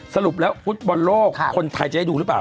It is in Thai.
สรุปแล้วฟุตบอลโลกคนไทยจะได้ดูหรือเปล่า